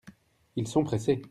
Ils sont pressés.